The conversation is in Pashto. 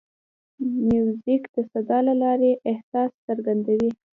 موزیک د صدا له لارې احساس څرګندوي.